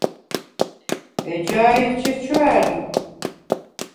ეჯაი̄ ეჩეჩუ ა̈რი.